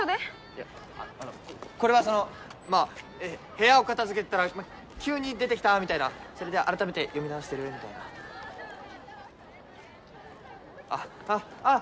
いやあのこれはそのまあ部屋を片づけてたら急に出てきたみたいなそれで改めて読み直してるみたいなあっあっあっ